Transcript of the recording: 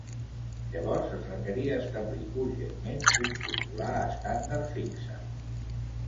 Llavors es requeria establir urgentment un formular estàndard fixe.